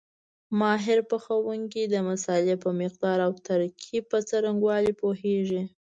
ماهر پخوونکي د مسالې په مقدار او ترکیب په څرنګوالي پوهېږي.